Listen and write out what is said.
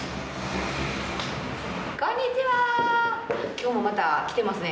今日もまたきてますね